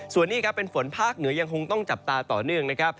ส่วนนี้ครับเป็นฝนภาคเหนือยังคงต้องจับตาต่อเนื่องนะครับ